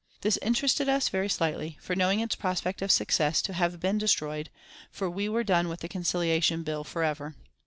This interested us very slightly, for knowing its prospect of success to have been destroyed, for we were done with the Conciliation Bill forever.